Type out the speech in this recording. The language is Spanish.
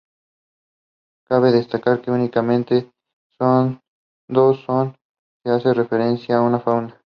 Cabe destacar que únicamente en dos sones se hace referencia a la fauna.